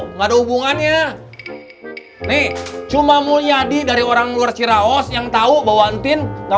enggak ada hubungannya nih cuma mulia di dari orang luar ciraos yang tahu bahwa antin gak